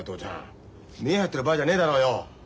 見栄張ってる場合じゃねえだろうよ。